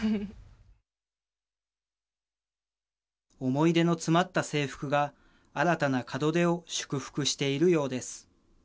思い出の詰まった制服が新たな門出を祝福しているようです